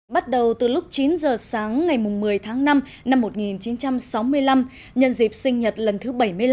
bắt đầu từ lúc chín giờ sáng ngày một mươi tháng năm năm một nghìn chín trăm sáu mươi năm nhân dịp sinh nhật lần thứ bảy mươi năm